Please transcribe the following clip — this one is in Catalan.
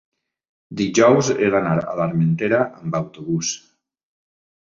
dijous he d'anar a l'Armentera amb autobús.